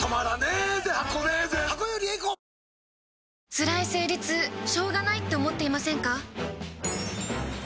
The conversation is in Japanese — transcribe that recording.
つらい生理痛しょうがないって思っていませんか？